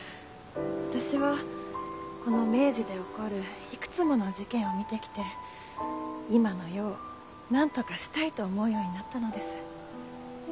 私はこの明治で起こるいくつもの事件を見てきて今の世をなんとかしたいと思うようになったのです。